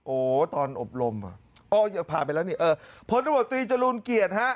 โอ้ตอนอบรมพอผ่านไปแล้วนี่พลตรวจตรีจรูลเกียรฐะ